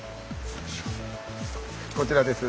こちらです。